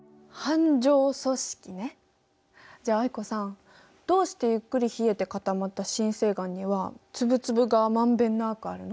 じゃあ藍子さんどうしてゆっくり冷えて固まった深成岩には粒々がまんべんなくあるの？